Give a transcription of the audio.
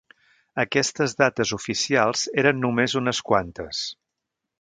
Aquestes dates oficials eren només unes quantes.